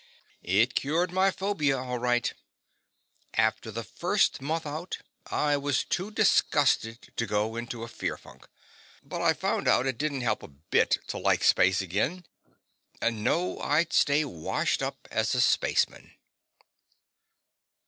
It cured my phobia, all right. After the first month out, I was too disgusted to go into a fear funk. But I found out it didn't help a bit to like space again and know I'd stay washed up as a spaceman.